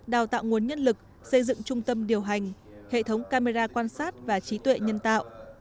đào tạo nguồn nhân lực xây dựng trung tâm điều hành hệ thống camera quan sát và trí tuệ nhân tạo